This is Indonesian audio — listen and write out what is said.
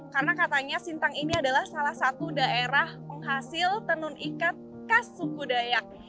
karena katanya sintang ini adalah salah satu daerah hasil tenun ikat kas suku dayak